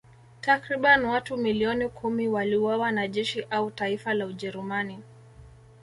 Takriban watu milioni kumi waliuawa na jeshi au taifa la Ujerumani